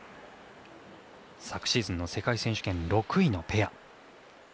昨シーズンの世界選手権６位のペア。